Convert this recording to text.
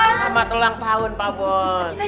selamat ulang tahun pak bos